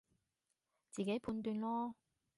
自己判斷囉